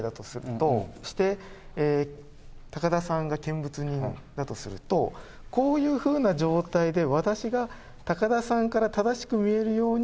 そして高田さんが見物人だとするとこういうふうな状態で私が高田さんから正しく見えるようにこう。